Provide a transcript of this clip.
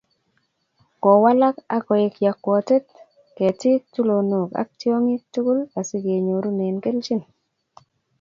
Kowalak akoek yokwotet, ketik tulonok ak tiongik tugul asikenyor unee kelchin